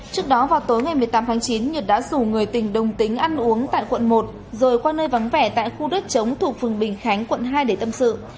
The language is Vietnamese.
trước đó vào tối ngày một mươi tám tháng chín nhật đã rủ người tình đồng tính ăn uống tại quận một rồi qua nơi vắng vẻ tại khu đất chống thuộc phường bình khánh quận hai để tâm sự